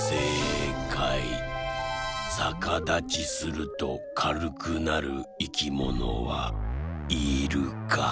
さかだちするとかるくなるいきものは「イルカ」。